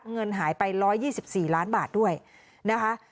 เงินหายไปร้อยยี่สิบสี่ล้านบาทด้วยนะคะ